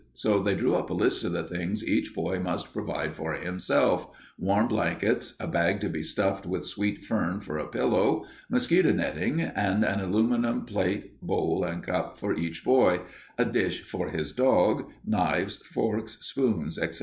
So they drew up a list of the things each boy must provide for himself warm blankets, a bag to be stuffed with sweet fern for a pillow, mosquito netting, and an aluminum plate, bowl, and cup for each boy, a dish for his dog, knives, forks, spoons, etc.